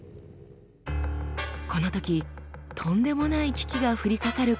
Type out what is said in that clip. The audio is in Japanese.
このときとんでもない危機が降りかかる可能性があります。